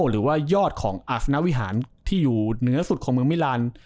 หรือว่ายอดของอัศนวิหารที่อยู่เหนือสุดของเมืองมิลาน